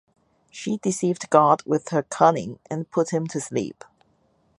She deceived God with her cunning and put him to sleep.